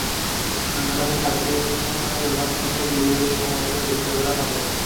নারায়ণগঞ্জের সাত খুনের ঘটনার সঙ্গে জড়িতদের কিছুদিনের মধ্যেই গ্রেপ্তার করা হবে।